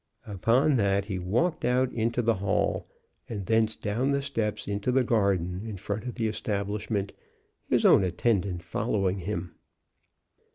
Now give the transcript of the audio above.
Upon that he walked out into the hall, and thence down the steps into the garden in front of the establishment, his own attendant following him.